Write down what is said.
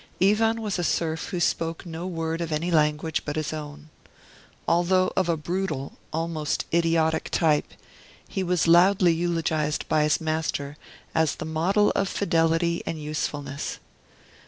Ivan was a serf who spoke no word of any language but his own. Although of a brutal, almost idiotic type, he was loudly eulogized by his master as the model of fidelity and usefulness.